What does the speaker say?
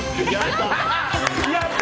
やった！